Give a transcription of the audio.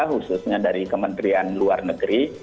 khususnya dari kementerian luar negeri